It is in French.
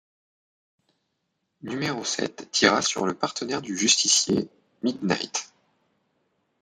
Numéro Sept tira sur le partenaire du justicier, Midnight.